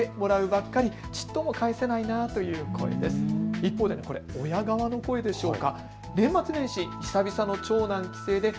一方で親側の声でしょうか。